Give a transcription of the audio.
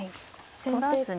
取らずに。